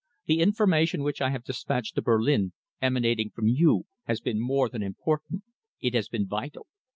The information which I have dispatched to Berlin, emanating from you, has been more than important it has been vital.